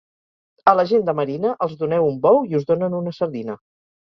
A la gent de Marina els doneu un bou i us donen una sardina.